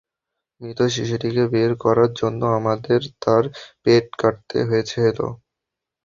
মৃত শিশুটিকে বের করার জন্য, আমাদের তার পেট কাটতে হয়েছিল।